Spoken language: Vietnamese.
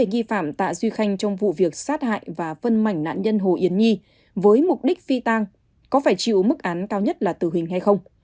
nghi phạm tạ duy khanh trong vụ việc sát hại và phân mảnh nạn nhân hồ yến nhi với mục đích phi tang có phải chịu mức án cao nhất là tử hình hay không